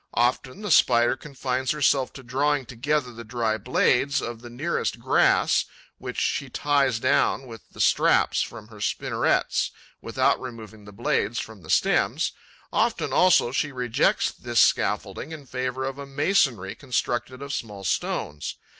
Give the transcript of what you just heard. Often, the Spider confines herself to drawing together the dry blades of the nearest grass, which she ties down with the straps from her spinnerets, without removing the blades from the stems; often, also, she rejects this scaffolding in favour of a masonry constructed of small stones.